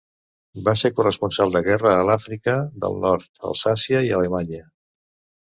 Va ser corresponsal de guerra a l'Àfrica del Nord, Alsàcia i Alemanya.